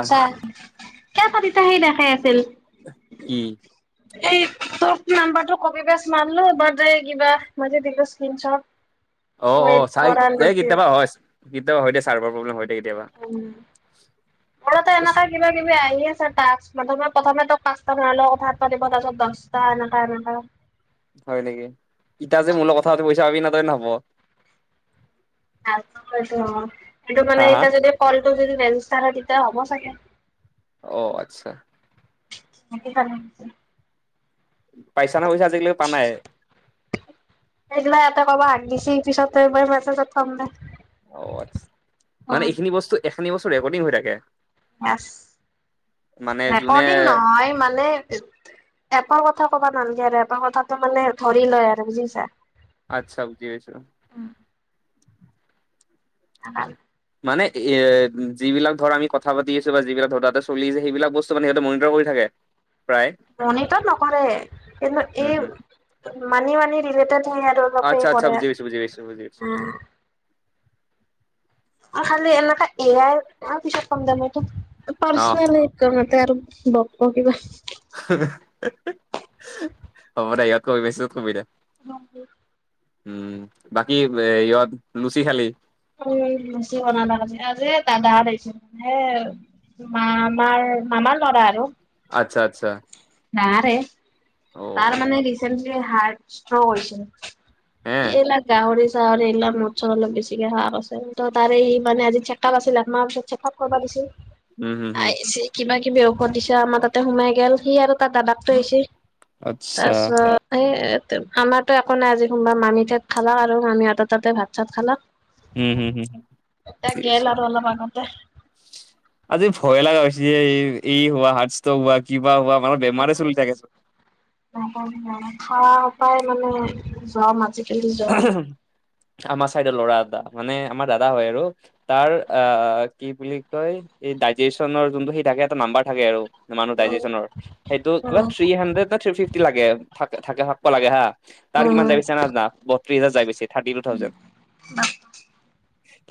আহ ছা [unintelligible] সেই দেখাই আছিল। উম। এই তোক নাম্বাৰ কপিপেছ মাৰলো কিবা মই যে দিলো স্কিনশট অ', অ' চাই এই কেতিয়াবা হয় কেতিয়াবা হয় দে চাৰ্ভাৰ প্ৰব্লেম হয় দে কেতিয়াবা। উম [unintelligible] কিবা কিবি আহি আছে তাস্ক প্ৰথমে প্ৰথমে তোক পাঁচটা মানৰ লগত [unintelligible] তাৰ পিছত দহটা এনেকে এনেকে। হয় নেকি? ইতা যে মূৰ লগত কথা পাতিব আহিচ [unintelligible] নহ'ব। সেইটো মানে হা হা এতিয়া যদি কলটো যদি [unintelligible] তেতিয়া হ'ব চাগে। অ' আচ্ছা। [inaudible] পাইচা নাই আজিকালি পা নাই। সেইিঘিলাক ইয়াতে ক'ব দিছি পিছত এইবাৰ মেছেজত থাম দে। অ', অ', মানে অ' এইখিনি বস্তু এইখিনি বস্তু ৰেকৰ্ডিং হৈ থাকে? মানে যোনে ৰেকৰ্ডিং নহয় মানে এপৰ কথা কবা নালাগে আৰু এপৰ কথাতে মানে ধৰি লয় আৰু বুজিছা আচ্ছা বুজি আছো। [inaudible] মানে এই যিবিলাক ধৰা আমি কথা পাতি আছো বা যিবিলাক ধৰা তাতে চলি আছে সেইবিলাক বস্তু সিহঁতে মনিটৰ কৰি থাকে। প্ৰায় মনিটৰত নকৰে কিন্তু উম হুম এই মানি মানি ৰিলেটেড হে আৰু চবে আচ্ছা আচ্ছা কৰে বুজি পাইছো বুজি পাইছো বুজি পাইছো উম খালি এনেকা এ আই আছক [unintelligible] ম তমি ত পৰ্চনল তহঁতে আৰু বক বকিবা আমাৰ ইয়াত কৈ বেছি সুবিধা। [unintelligible] উম বাকী হেৰিওত লুচি খালি। উম লুচি বনালে আজি এই যে দাদাহঁত আহিছে। মামা মামাৰ ল'ৰা আৰু আচ্ছা আচ্ছা। নাৰে অ তাৰ মানে ৰিচেণ্টলি হাৰ্ট ষ্ট্ৰক কৰিছে হে এইবিলাক গাহৰি গাহৰি মদ চদ অলপ বেছিকে খাওঁ কৰিছে তাৰে ই মানে আজি চেক্‌আপ আছিলে। কৰিব গৈছিল উম হম হম আহিছে কিবা কিবি ঔষধ দিছে আমাৰ তাতে সোমাই গেল সি আৰু তাৰ দাদাকতো আহিছে। আচ্ছা তাৰপিছত এই আমাৰোতো একো নাই আজি সোমবাৰ মামী তাত খালা আৰু মামী হেতঁৰ তাতে ভাত চাত খালা উম হম হম এ বুজি গেল পাইছো। আৰু অলপ আগতে আজি ভয়ে লগা হৈছে এই এই হোৱা হাৰ্ট ষ্ট্ৰক হোৱা কিবা হোৱা মানে বেমাৰে চলি থাকে সাৰ পাই মানে যোৱা মানে আমাৰ চাইদৰ ল'ৰা এটা মানে আমাৰ দাদা হয় আৰু তাৰ আহ কি বুলি কয় এই ডাইজেচনৰ যোনটো সেই থাকে এটা নাম্বাৰ থাকে আৰু মানুহ ডাইজেচনৰ সেইটো কিবা উম থ্ৰী হাড্ৰেড ন থ ফিফটি লাগে থ থাকে থাকিব লাগে হা তাৰ কিমান উম যাই পিছে নানা বত্ৰিশ হাজাৰ যাই পিছে থাৰ্টি টু থাউজেণ্ড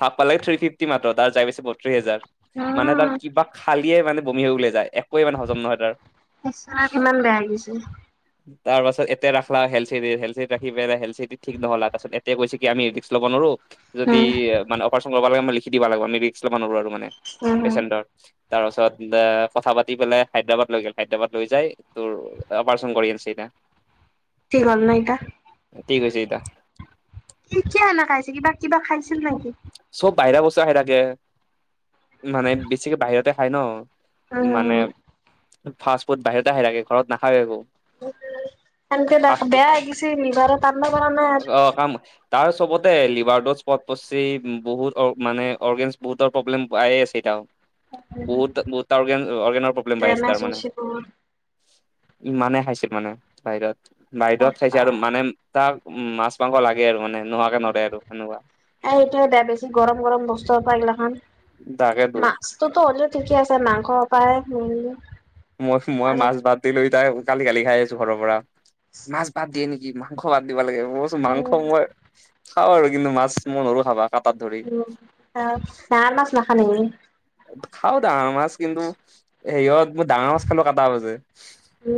থাকব লাগে থ্ৰি ফিফ্‌টি মাত্ৰ আৰু তাৰ যাই পাইছে বত্ৰিশ হাজাৰ মানে তাৰ উম কিবা খালিয়ে মানে বমি হৈ উলাই যায়। একোৱে ইমান হজম নহয় তাৰ ইমান বেয়া লাগিছে তাৰ পাছত এয়া ৰাখলা হেলত চিটি হেলত চিটিত ৰাখি পেলাই হেল চিটি ঠিক নহ'ল তাৰপাত এতিয়া কৈছে কি আমি ৰিক্স ল'ব নোৱাৰো যদি উম মানে অপাৰেচন লাগে মই লিখি দিব লাগিব আমি ৰিক্স লব নোৱাৰো মানে উম পেচেণ্টৰ তাৰ পাছত এ কথা পাতি পেলাই হায়দৰাবাদ লৈ গ'ল হায়দৰাবাদ লৈ যাই তোৰ অপাৰচন কৰি আনিছে এতিয়া। থিক হ'লনে এতিয়া ঠিক আছে এতিয়া। কেতিয়া অনা খাইছে কিবা কিবা খাইছিল নেকি চব বাহিৰা বস্তু খাই থাকে মানে বেছিকে বাহিৰতে খাই ন। উম মানে ফাষ্ট ফুড বাহিৰতে খাই থাকে ঘৰত নাখায় একো সেনকে ফাষ্ট ফুড বেয়া গৈছে লিভাৰ টানব পৰা নাই অ আৰু কাম তাৰ চবতে লিভাৰ দজ এচপৰ্ত পৰিছে। বহুত অ মানে অৰ্গেনছ বহুতৰ প্ৰব্লেম পায়ে আছে এটাও বহুত বহুত অগে অৰ্গেনৰ প্ৰব্লেম পাই আছে ডেমেজ তাৰ মানে হৈছে বহুত ইমানে খাইছে মানে বাহিৰত বাহিৰত বাপ্পা খাইছে আৰু মানে তাৰ উম মাছ মাংস লাগে আৰু মানে নোৱৰে আৰু সেনেকুৱা এ এইটোয়ে দে বেছি গৰম গৰম বস্তু পৰা এইগিলা খান তাকেতো মাছ তোৰতো হ'লেও ঠিকে আছে মাংস পাইহে মই মই মাছ বাদ দি লৈ তাই কালি কালি খাই আছো ঘৰৰ পৰা মাছ বাত দিয়ে নেকি মাংস বাদ দিবা লাগে মই ক মাংস উম মই খাওঁ আৰু কিন্তু মাছ মই নৰো খাবা। কাটাত ধৰি উ ন মাছ ন খানে খাও ডাঙৰ মাছ কিন্তু সেৰিহত মই ডাঙৰ মাছ খালো কাটা ব যে উ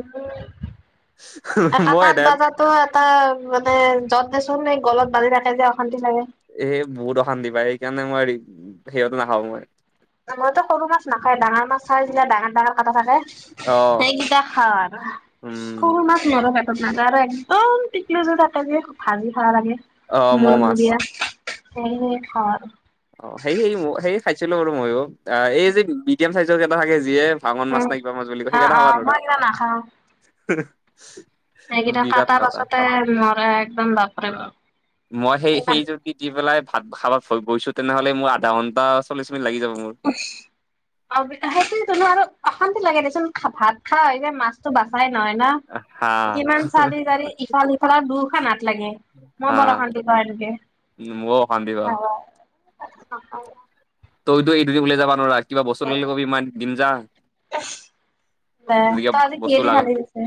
এটাাত মই এদায়ত বজাত তটো এটা মানে যত দেচোন এই গলত বান্ধি ৰাখে যে অশান্তি লাগে এ বহুত অশান্তি পায় সেইকাৰণে মই সিহঁততে নাখাওঁ মই মইতো সৰু মাছ নাখায় ডাঙৰ মাছ খাই যেতিয়া ডাঙৰ ডাঙৰ কথা থাকে অ' সেইকেইটা খাৰ উম খৰু মাছ নৰ পাতত নাযায় আৰু একদম টিকলি যে তাতে যে ভাজি খা লাগে অ' ম'হ মাছ মূৰমূৰিয়া সে আৰু অ সে সে সেইয় খাইছিলো বাৰু ময়ো অ এই যে মিডিয়াম চাইজৰ কেইটা থাকে যিয়ে ভাঙন মাছ নাই কিবা মাছ বুলি কয় অ' সেইকেইটা হবা ন অ' দ মই এইকেইটা সেইকেইটা কটাাৰ পাছতে মৰা একদম ল কৰেৰে মই সেই বাৰু সেই ইমান যদি দি পেলাই ভাত খাবাত গৈছো তেনেহলে মোৰ আধা ঘণ্টা চল্লিশ মিনিট লাগি যাব মোৰ অ সেইটোনো আৰু অশান্তি লাগে দেচোন ভাত খা যে মাছ বাচাই নহয় না হা ইমান চাৰি চাৰি ইফাল সফালৰ দুশ নাত লাগে মই বৰ অশান্তি পওঁ এনেকে উ ম শ দ বাা অ হয় তইতো এই দুিন ল যাব নোৱাৰা কিবা বস্তু নিলে কবি ইমান দিম যা গতিকে ত আজি কি বস্তু দি লাগা খালি গছে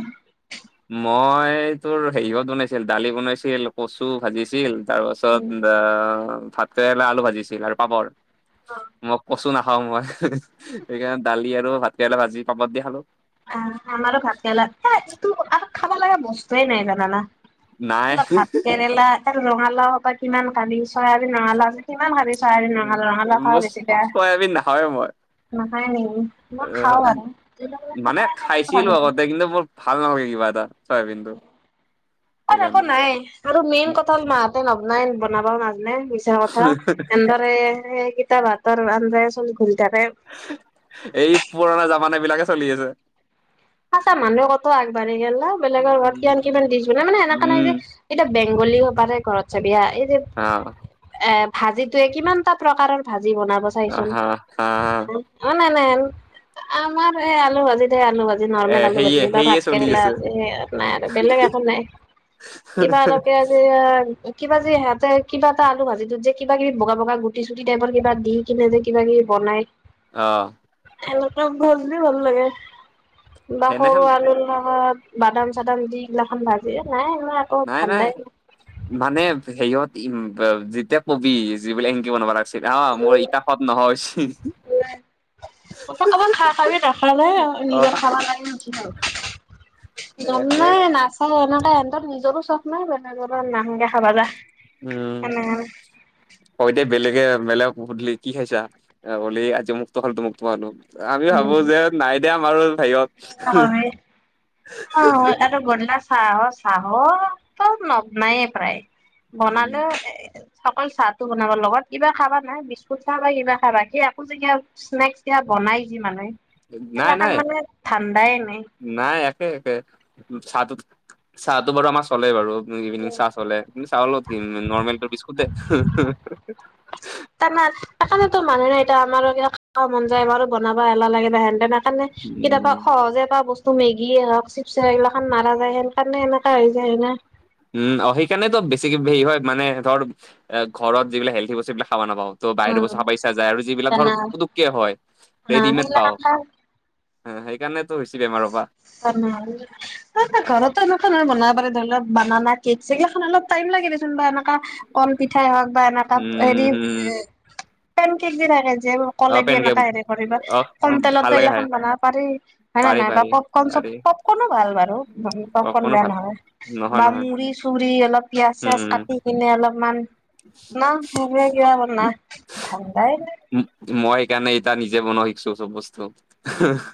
মই তোৰ হেৰিয়ত বনাইছিল দালি বনাইছিল কচু ভাজিছিল তাৰ পাছত ভাত কেেৰেে আলু ভাজিছিল আৰু পাপৰ মই কচু নাখাও মই সেইকাৰণে দালি আৰু ভাত কেৰেল ভাজি পাপত দি খালো আহ আমাৰো ভাত খেলা আৰু খাবা লগা বস্তুৱে নাই জানানা নাই ভাত কেৰেলা ৰঙালাও বা কিমান কালি চৰা আ নঙালাও আ কিমান ভাবি চাৰে নঙাল ৰঙালা খা মই বেছিক চয়াবিন নাখাওঁৱে মই নাই ন মই আহ, খাওঁ আৰু মানে খাই থাকিব ভাল খাইছিলো লাগে। আগতে কিন্তু বৰ ভাল নালাগে কিবা এটা চয়াবিনটো ক একৌ সেইকাৰণে নাই আৰু মেইন কথা হল মাহঁতে নবনাই বনাবা নাজানাই চ কথা এধৰে গীতা ভাতৰ আে চ খুলি থাৰে এই পুৰণা জামানা বিলাকে চলি আছে সচা মানুহে কতও আগবাঢ়ি গ' ন বেলেগ ঘৰত কিমান উম কিমান দিছ বোলে মানে সেনেককা নাই যে এইটা বেংগলী হবাৰে গৰতছে বিয়া এই যে অ এ ভাজিটে কিমানটা প্ৰকাৰৰ ভাজি বনাব চাইচোন হা হা অ নাই নাই আমাৰ এই আলু ভাজিিতহে আলু ভাজি ি এ নৰ্মেল আলু ভাজি সেয়ে ত সেয়ে ভাত চলি কেৰেলা আছে আি সয়াত নাই আৰু বেলেগ একো নাই কিবা লকে আজি কিবা যে সিহঁতে কিবা এটাল ভাজিত যে কিব কিবি বগা বগা গুটি চুটি টাইপৰ কিবা দি কিনে যে কিবাাকিবি বনাই অ খেল গল দি ভাল লাগে বা সৰু সেইদিনাখন আলুৰ লগা বাদাম চাদাম দিগিলা খখন ভাজি নাই ম নাই নাই মানে হেৰিয়ত যেতিয়া কবি যিবোলে এনেকি বনাব লাগিছে হ মোৰ ইটা খত নহয় কাৰোবাক খ কাৰ নখা নাই অ নিজৰ খা কাৰ নচ গম তাকে নাই নাচা এনোই এহৰ নিজৰো চখ নাই বেলেগ নানুকে খাবা যা উম এনেকে অ দে বেলেগে মেলেগ সুধলি কি খাইছা হলি আজি মুক্ত হ'ল তো মক্তমো আমি ভাবো যে নাই দিয়া আমাৰো। হেৰিয়ত [unintelligible] অ'ইয়াতো গধূলা চাহ চাহ তো নবনায়ে প্ৰায় উম বনালেও। অকল চাহটো বনাব লগত কিবা খাবা নাই বিস্কুট চাহ বা কিবা খাবা সেই একো যেগয়া। স্নেক্স দিয়া বনাই যি মানুহে। নাই, নাই। ঠাণ্ডাই নাই। নাই একে একে চাহটো চাহটো বাৰু আমাৰ চলে বাৰু ইভিনিং চাহ চলে। কিন্তু, চাহৰ লগত কি নৰ্মেলটো বিস্কুটে। তানা সেইকাৰণেত মানুহে এতিয়া আমাৰো মন যায়াৰ বনাবা এলাহ লাগে বা হেনেতেন সেইকাৰণে। কেতিয়াবা। উম সহজে প বস্তু মেগিয় হওঁক চিপচ হে এইগিলান মাৰ যেন সেন কাৰণে এনেকা হৈ যায় হয়নে। উম, সেইকাৰণে তো বেছি হেৰি হয়, মানে ধৰ ঘৰত যিবিলাক হেল্থি বস্তু এইবিলাক খাব নাপাওঁ। ত বাহিৰ বস্ত উম চা খায় পাইচা যায় আৰু যিবিলাক ধৰ তেনেহলে পুতুককে হয় ৰেডিমেড পাওঁ। সেইগিলাখান খাই সেইকাৰণেতো হৈছে বেমাৰৰ পৰা [unintelligible] এই ঘৰতো এনেকুৱা বনাব পাৰে, ধৰিলক বানা নাই কেক চেক এইখন অলপ টাইম লাগেদেচোন বা এনেকা। কন পিঠাই হওঁক বা এনো উম, হেৰি হম, পেন কেক দি থাকে যে। অ', পেন কলেদি কেক এনেকা হেৰি কৰিবা অ', কম তেলতো ভাল লাগে এইগিলা খাই খন বনাব পাৰি। হয়ে না পাৰি নাই বা পাৰি পপকন চ'ব পাৰি পপকনো ভাল বাৰু পপকৰ্ন অকণো বেয়া ভাল নহয়। নহয় বা নহয় মুড়ি চুৰি অলপ পিয়াজ চিয়াজ উম, কাটি। সিপিনে অলপমান না হেইভোৰ কিবা ধাণ্ডাই নাই। মই সেইকাৰণে এইটা নিজে বনোৱা শিকিছোঁ চ'ব বস্তু।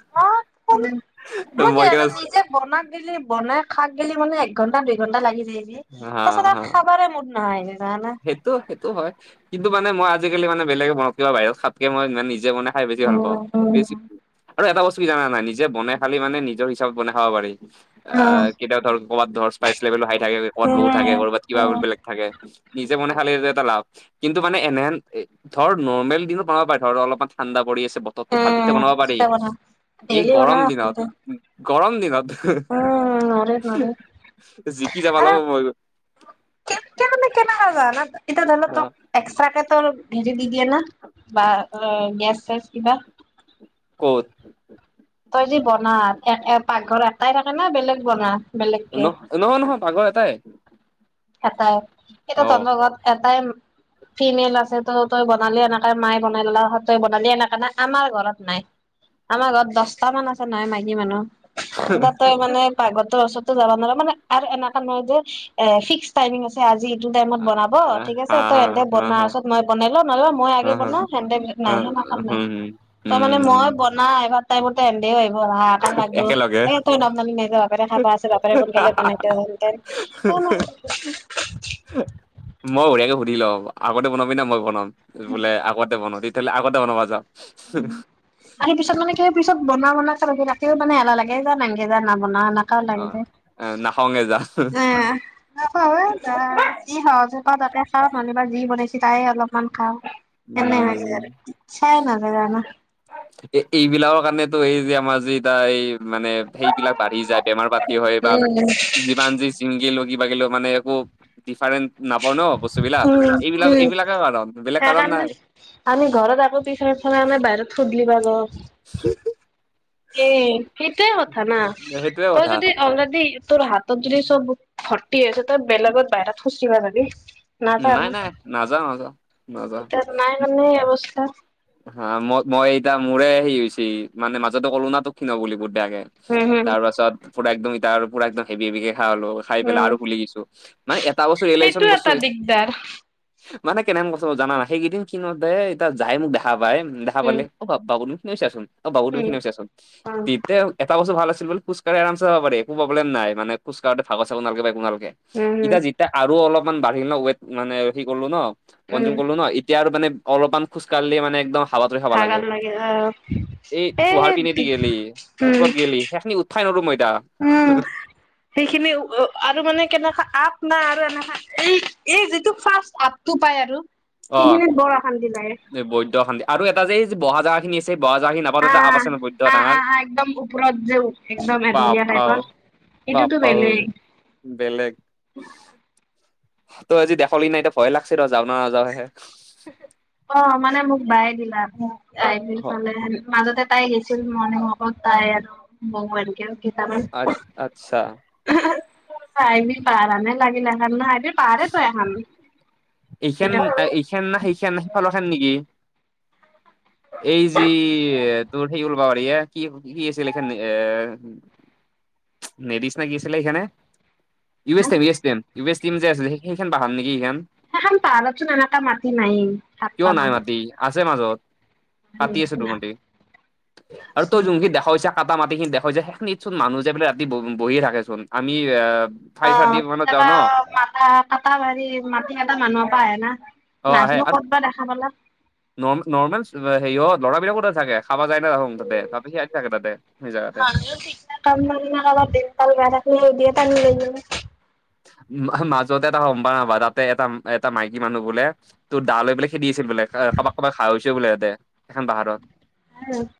[unintelligible] মই সেইকাৰণে নিজে বনাক গেলি বনাই খাক গেলি মানে এক ঘন্টা দুই ঘন্টা লাগি যায়েযি হা তাৰ পিছত হা আৰু খাবাৰে মন নাই নে না না। সেইটো, সেইটো হয়। কিন্তু, মানে মই আজিকালি মানে বেলেগে বনওঁ কিবা বাহিৰত খাপকে মই মানে নিজে বনাই খাই বেছি ভাল পাওঁ। উম উম বেছিক আৰু এটা বস্তু জানা নাই নিজে বনাই খালি মানে নিজৰ হিচাপত বনাই খাব পাৰি আহ কেতিয়াওঁ ধৰক। ক'ৰবাত ধৰ স্পাইচ লেভেল হাই থাকে, ক'ৰাত লো' থাকে, উম ক'ৰবাত কিবা উম বেলেগ থাকে নিজে বনাই খালে এটা লাভ। কিন্তু মানে এনেহে এ ধৰ নৰ্মেল দিনো বনাব পাৰে ধৰ অলপমান ঠাণ্ডা পৰি আছে বৰ তৰটো ভাল তেতিয়া উম বনাব পাৰি। কেতিয়া বনাও এই ডেইলি গৰম বনাও দিনত, আচলতে। গৰম দিনত। জিকি যাবা লাগব মই। কেনকে মানে কেনেকুৱা জানা এতিয়া ধৰি লওঁ ত এক্সট্ৰাকে তোৰ হেৰি দি দিয়ে ন বা গেছ চেচ কিবা। ক'ত তই যে বনা পাকঘৰ এটাই থাকে না বেলেগ বনা। বেলেগকে নহ নহয়, নহয় পাকঘৰৰ এটাই। এটাই এটা অ'। তহঁতৰ ঘৰত এটাই। ফিমেল আছে তই তই বনালি এনেকে মায়ে বনাল ল'লে হয়, তই বনালি এনেকাে নাই খাম ঘৰত নাই। আমাৰ ঘৰত দচটা মান আছে নাই মাইকী মানুহ এতিয়া তই মানে। পাকঘৰত ওচৰতো যাব নোৱাৰা মানে আৰু এনেকা নহয় যে এ ফিক্স। টাইমিং আছে, আজি এইটো টাইমত আহ, বনাব হা ঠিক হা আছে, তই হা সেনেতে হা বনাৰ পিচত হা মই বনাই লম, মই আগে হা বনাও সিহঁতে। হা নাই সেনে নাই উম তই মানে উম মই বনা আহিব টাইমতে সিহঁতেও আহিব ভাত লাগব একেলগে এ তই নবনামনি নাই ৰহ বাপেৰে খাবা আছে বাপেৰে সোনকালেনাই হেঁতেন [unintelligible] মই বঢ়িয়াকে সুধি লওঁ আগতে বনাবি না মই বনাম বোলে আগতে বনাওঁ। তেতিহ'লে আগতে বনাব যা। আমি পিছত মানে কেলে। পিছত বনোৱা বনে ৰাতিও মানে এলাহ লাগে [unintelligible] যায়। অ' নখংগেই যা। অ ই সহজত তাতে কাৰত নহলেবাৰ যি বনাইছে [unintelligible] চ তাই অলপমান খাওঁ সনে হৈ উম আৰু ইচ্ছা নযায় জানা। এই এইবিলাকৰ কাৰণেতো এই যে আমাৰ যি এটা এই মানে সেইবিলাক বাঢ়ি যায় বেমাৰ পাতি হয়, বা উম যিমান যি চিংগি লগগি বাগিলেও মানে একো ডিফাৰেন্ট নাপাওঁ ন বস্তুবলাক, এইবিলাক উম এইবিলাকে কাৰণ বেলেগ কাৰণ সেইকাৰণে নাই। আমি ঘৰত আাবৌ পিছাৰ আ্থান আমি বাহিৰৰত সোধল বাগ [unintelligible] এ সেইটয়ে কথা না, সেইটোয়ে তই কথা যদি অলৰে'দি তোৰ হাতত যদি চব ভৰ্তি আছে তই বেলেগত বাহিৰত খুচিবা যাবি? নাযায় নাই না নাই নাযাওঁ নাযাওঁ নাযাওঁ। এতিয়া নাই মানে অৱস্থা হা মই মই এতিয়া মোৰে হেৰি হৈছে মানে মাজতে ক'লো ন তোক ক্ষীণাবা বুলি বহু বেয়াকে। উম হম তাৰ পাছত পুৰা একদম এতিয়া পুৰা একদম হেভি হেভিকে খোৱা হ'লো। খাই পেলাই উম আৰু ফুলি গৈছো মানে এটা বস্তু সেইটো ৰিয়েলাইশ্যন কৰিছো এটা দিগদাৰ মানে কেনে হেন কথাটো জানা নাই সেইকেইদিন কিন দে এতিয়া যাই মোক দেখা পায় দেখা উম পালে। অ' বাবুদুম ক্ষীণাইচাচোন অ' বাবুদুম উম ক্ষীণাই চাচোন। অ তেতিয়া এটা বস্তু ভাল আছিল বোলো খোজ কাঢ়ি আৰামচে যাব পাৰি একো প্ৰবলেম নাই খোজকাঢ়োতে ভাগৰ চাগৰ নালাগে বা একো নালাগে। উম উম এতিয়া যেতিয়া আৰু অলপমান বাঢ়িল ন ৱেট মানে, সেই কৰিলো ন উম কনজুম কৰিলো ন, এতিয়া আৰু মান অলপমান খোজ কঢ়িলে মানে একদম হাবাঠুৰি খাবা লাগে। ভাগাল অ' এই এ তোহাৰ পিনেদি গেলি উম ওপৰত গেলি সেইখি উঠবাই নৰো উম তাত। সেইখিনি আৰু মানে কেনেকুৱা আপ নাই আৰু এনেকুৱা এই এই যিটো ফাষ্ট আপ টো পাই আৰু অ সেইখিনিত বৰ অশান্তি লাগে। বৈদ্য অশান্তি, আৰু এটা যে বহা জাগা খিনি আছে বহা জাগা খিনি না হ একদম উপৰত যওঁ একদম এঢলীয়া বাপা ঐ টাইপৰ। এইটোতো বাপা ঐ বেলেগ। বেলেগ। তই আজি দেখলি নাই এতিয়া ভয়ে লাগিছে ৰ যা নাযাওহে। অ' মানে মোক বাই দিলা আহ ফালে মাজতে তাই গেছিল। মৰ্নিং ওৱাকত তাই আৰু বৌ এনকে আ আচ্ছা। আহিবি প় নে লাগিলে নহাইদ এইখ সেইখন এইখ ন সেইখ ন সিফাল খান নেকি? [unintelligible] এই যি তোৰ সেই কৰিবল বাৰ কি কি আছিল এখান এ নেদিছ নে কি আছিলে এইখেনে? U S T M, U S T M যে আছিলে সেই সেইখন পঢ়াম নেকি সেইখন। সেখন পাহাৰতচোন এনেকুৱা মাটি নাই কাটব কিয় নাই পাম। মাটি আছে মাজত কাটি আছে তো মটি আৰু তই কেতিয়াবা যোনখিনি দেখ ইচ কাটা মাটিখিনি দেখুৱাই যায় সেইখিনিত চোন মানুহ যে বোলে ৰাতি বহিয়ে থাকেচোন আমি আহ অ' কেতিয়াবা মথা কটা হাৰী মাটি কটা মানুহৰ পৰা আহে না। অ আহে নাজনো আৰু ক'ত বা দেখা পালা। নৰ্ম নৰ্মেল হেৰিয় ল'ৰা বিলাকো থাকে। খাবা যায় ন দেখোন তাতে তাপি সি থাকে তাতে সেই জেগাতে। কাম মবখ দিয়ে প [unintelligible] মাজতে এটা গ'ম পাৱনে নাপাৱ, তাতে এটা এটা মাইকী মানুহ বোলে তোৰ দা লৈ পেলাই খেদি আহিছিল বোলে কাৰোবাক কাৰোবাক খাই হৈছ বোলে সিহতে সেইখন পাহাৰত। উম।